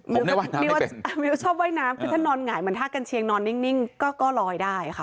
ไม่ว่าไม่ชอบว่ายน้ำคือนร้องไหงมาถ้ากันเชียงมาล็งก็ก็ลอยได้ค่ะ